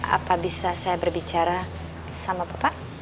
apa bisa saya berbicara sama bapak